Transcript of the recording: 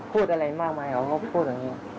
พูดอะไรมากมายเขาก็พูดแบบนี้